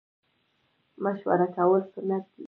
مشوره کول سنت دي